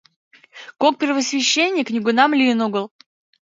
Кок первосвященник нигунам лийын огыл.